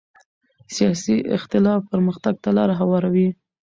سیاسي اختلاف پرمختګ ته لاره هواروي